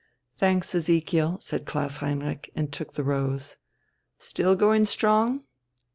"Thanks, Ezekiel," said Klaus Heinrich, and took the rose. "Still going strong?